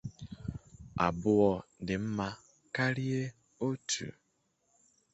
Dịka ya bụ ozi siri kọwaa